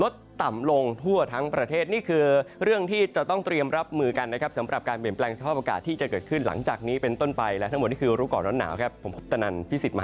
สวัสดีครับทุกคน